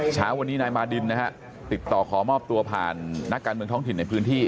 เช้าวันนี้นายมาดินนะฮะติดต่อขอมอบตัวผ่านนักการเมืองท้องถิ่นในพื้นที่